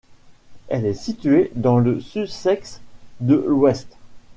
Elle est située dans le Sussex de l'Ouest.